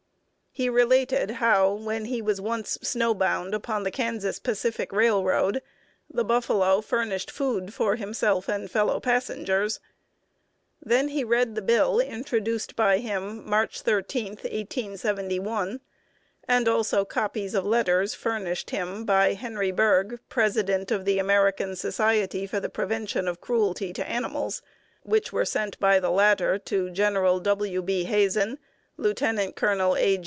He related how, when he was once snow bound upon the Kansas Pacific Railroad, the buffalo furnished food for himself and fellow passengers. Then he read the bill introduced by him March 13, 1871, and also copies of letters furnished him by Henry Bergh, president of the American Society for the Prevention of Cruelty to Animals, which were sent to the latter by General W. B. Hazen, Lieut. Col. A.